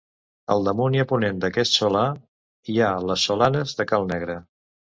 Al damunt i a ponent d'aquest solà hi ha les Solanes de Cal Negre.